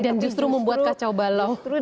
dan justru membuat kacau banget